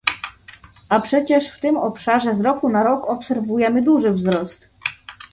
A przecież w tym obszarze z roku na rok obserwujemy duży wzrost